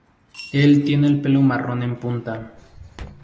Él tiene el pelo marrón en punta.